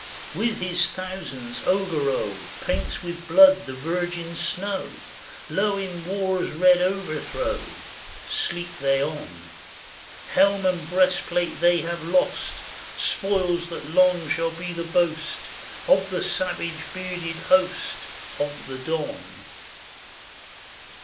With his thousands, Augereau Paints with blood the virgin snow; Low in war's red overthrow Sleep they on ! Helm and breastplate they have lost. Spoils that long shall be the boast 348 THE BATTLE OF EYLAU Of the savage bearded host Of the Don.